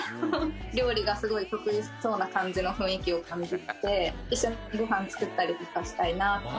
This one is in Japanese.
料理がすごい得意そうな感じの雰囲気を感じて一緒にご飯作ったりとかしたいなって。